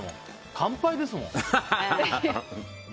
乾杯ですもん。